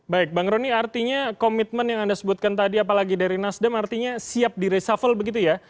baik bang rony artinya komitmen yang anda sebutkan tadi apalagi dari nasdem artinya siap di reshuffle begitu ya